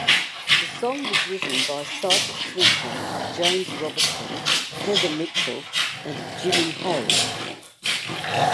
The song was written by Syke Sweetnam, James Robertson, Heather Mitchell, and Jimmy Harry.